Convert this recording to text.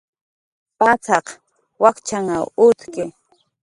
Pacxaq wakchanhw utki